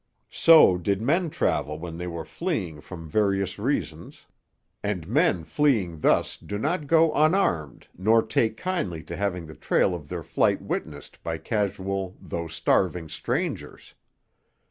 So did men travel when they were fleeing from various reasons, and men fleeing thus do not go unarmed nor take kindly to having the trail of their flight witnessed by casual though starving strangers.